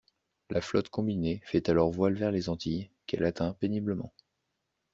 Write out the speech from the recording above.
La flotte combinée fait alors voile vers les Antilles qu'elle atteint péniblement.